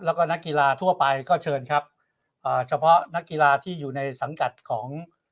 แล้วก็นักกีฬาทั่วไปก็เชิญครับอ่าเฉพาะนักกีฬาที่อยู่ในสังกัดของ